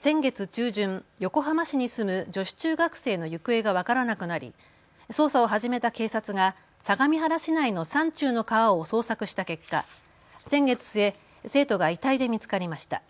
先月中旬、横浜市に住む女子中学生の行方が分からなくなり捜査を始めた警察が相模原市内の山中の川を捜索した結果、先月末生徒が遺体で見つかりました。